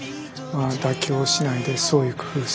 妥協しないで創意工夫する。